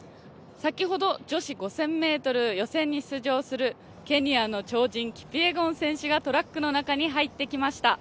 先ほど女子５０００ｍ予選に出場するケニアの超人キピエゴン選手がトラックの中に入ってきました。